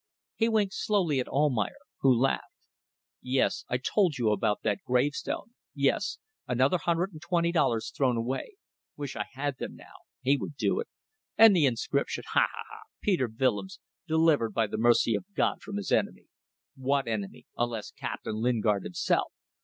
He winked slowly at Almayer, who laughed. "Yes! I told you about that gravestone. Yes! Another hundred and twenty dollars thrown away. Wish I had them now. He would do it. And the inscription. Ha! ha! ha! 'Peter Willems, Delivered by the Mercy of God from his Enemy.' What enemy unless Captain Lingard himself?